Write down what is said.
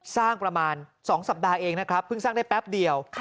สร้างประมาณ๒สัปดาห์เองนะครับเพิ่งสร้างได้แป๊บเดียว